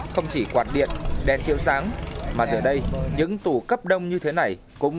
không chỉ quạt điện đèn chiều sáng mà giờ đây những tù cấp đông như thế này